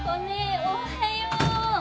おはよう。